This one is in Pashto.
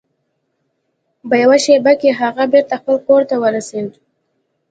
په یوه شیبه کې هغه بیرته خپل کور ته ورسید.